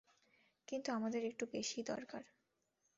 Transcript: কিন্তু আমাদের একটু বেশি দরকার।